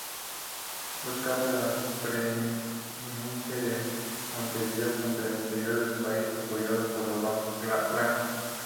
Buscaban la preeminencia de Montevideo contra el interior del país, apoyado por los blancos.